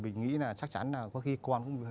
mình nghĩ là chắc chắn là có khi con